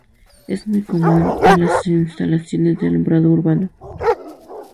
Es muy común en las instalaciones de alumbrado urbano.